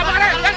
pak pak pak